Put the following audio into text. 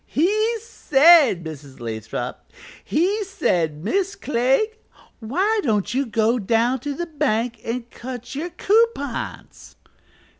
"He said, Mrs. Lathrop, he said, 'Miss Clegg, why don't you go down to the bank and cut your coupons?'"